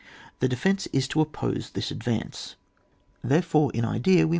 The defence is to oppose this advance ; therefore in idea we must OHAP.